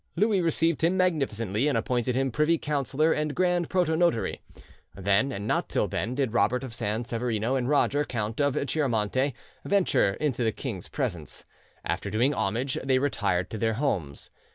Louis received him magnificently, and appointed him privy councillor and grand proto notary. Then, and not till then, did Robert of San Severino and Roger, Count of Chiaramonte, venture into the king's presence; after doing homage, they retired to their homes.